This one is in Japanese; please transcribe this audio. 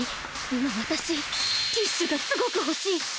今私ティッシュがすごく欲しい！